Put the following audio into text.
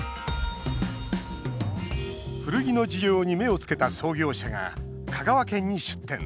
古着の需要に目をつけた創業者が香川県に出店。